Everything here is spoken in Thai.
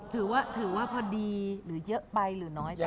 ถือว่าพอดีหรือเยอะไปหรือน้อย